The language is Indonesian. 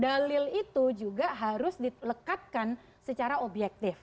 dalil itu juga harus dilekatkan secara objektif